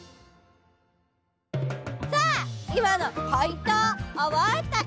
さあいまのポイントをおぼえたかな？